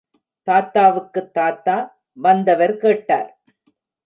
தாத்தாவுக்குத் தாத்தா? வந்தவர் கேட்டார்.